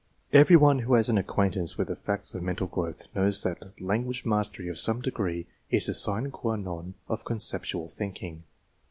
Every one who has an acquaint ance with the facts of mental growth knows that language mastery of some degree is the sine qua non of conceptual thinking.